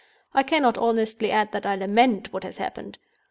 I cannot honestly add that I lament what has happened.